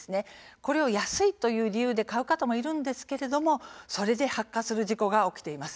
これは安いという理由で買う方もいるんですがそれで発火する事故が起きています。